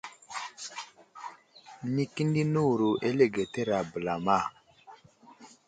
Nay kəni nəwuro alige tera bəlama.